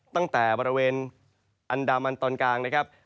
ตั้งแต่บริเวณอันดามันตอนกลาง